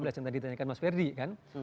ini yang sudah ditanyakan mas ferdi kan